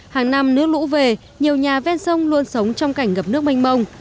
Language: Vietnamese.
hàng năm nước lũ về nhiều nhà ven sông luôn sống trong cảnh ngập nước manh mông